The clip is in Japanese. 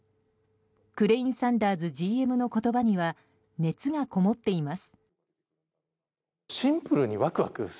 クレインサンダーズＧＭの言葉には熱がこもっています。